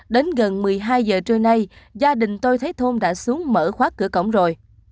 đến gần một mươi hai giờ trưa nay gia đình tôi thấy thôn đã xuống mở khoác cửa cổng rồi